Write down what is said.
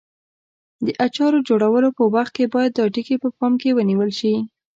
د اچارو جوړولو په وخت کې باید دا ټکي په پام کې ونیول شي.